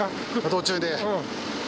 途中で。